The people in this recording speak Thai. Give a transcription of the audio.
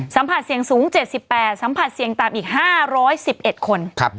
สัมผัสเสี่ยงสูง๗๘สัมผัสเสี่ยงต่ำอีก๕๑๑คน